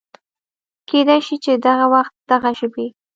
کېدی شي چې دغه وخت دغه ژبې